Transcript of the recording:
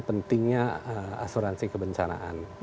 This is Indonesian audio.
pentingnya asuransi kebencanaan